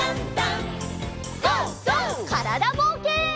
からだぼうけん。